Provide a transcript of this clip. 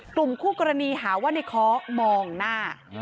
กลุ่มคู่กรณีหาว่าในค้อมองหน้า